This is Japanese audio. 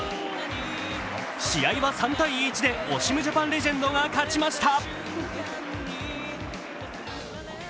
試合は３−１でオシムジャパン・レジェンドが勝ちました。